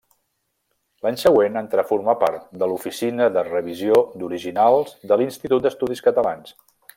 L'any següent entrà a formar part de l'oficina de revisió d'originals de l'Institut d'Estudis Catalans.